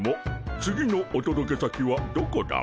次のおとどけ先はどこだモ？